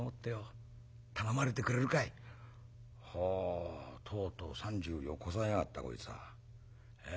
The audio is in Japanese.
とうとう３０両こさえやがったこいつは。ええ？